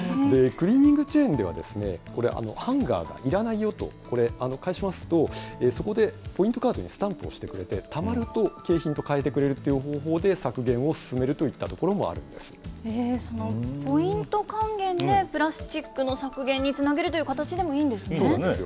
クリーニングチェーンでは、これ、ハンガーがいらないよと、これ、返しますと、そこでポイントカードにスタンプを押してくれて、たまると景品とかえてくれるという方法で、削減を進めるといった所ポイント還元でプラスチックの削減につなげるという形でもいいんですね。